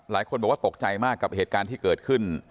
หลายคนบอกว่าตกใจมากกับเหตุการณ์ที่เกิดขึ้น